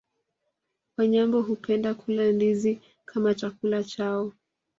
Wanyambo hupenda kula ndizi kama chakula chao